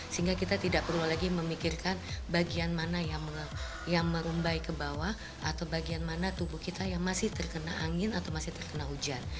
sehingga kita tidak perlu lagi memikirkan bagian mana yang merumbai ke bawah atau bagian mana tubuh kita yang masih terkena angin atau masih terkena hujan